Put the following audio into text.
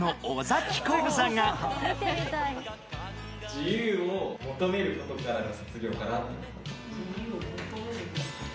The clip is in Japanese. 自由を求めることからの卒業かな。